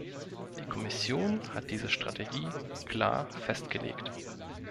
Die Kommission hat diese Strategie klar festgelegt.